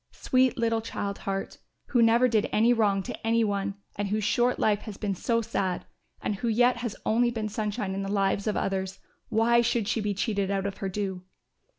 Sweet little child heart, who never did any wrong to any one and whose short life has been so sad and who yet has only been sunshine in the lives of others, why should she be cheated out of her due?"